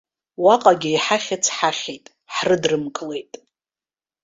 Уаҟагьы иҳахьыц ҳахьит, ҳрыдрымкылеит.